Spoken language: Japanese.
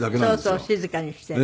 そうそう静かにしてる。